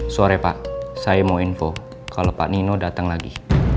sore pak saya mau info kalau pak nino datang lagi